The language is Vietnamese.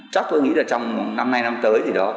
chắc tôi nghĩ trong năm nay năm tới gì đó